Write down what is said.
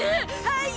はい！